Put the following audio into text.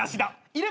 いる。